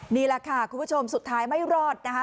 นี่แหละค่ะคุณผู้ชมสุดท้ายไม่รอดนะคะ